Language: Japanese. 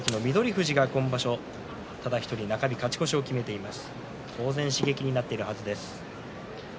富士が今場所はただ１人中日、勝ち越しを決めています。